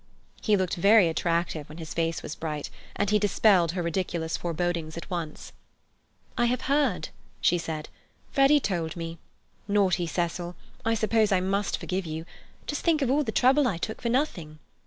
He looked very attractive when his face was bright, and he dispelled her ridiculous forebodings at once. "I have heard," she said. "Freddy has told us. Naughty Cecil! I suppose I must forgive you. Just think of all the trouble I took for nothing!